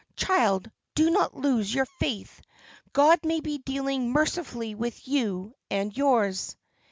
Child, do not lose your faith. God may be dealing mercifully with you and yours."